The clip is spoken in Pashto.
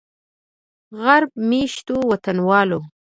غرب میشتو وطنوالو